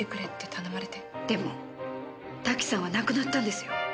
でも瀧さんは亡くなったんですよ。